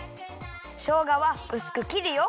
しょうがはうすくきるよ。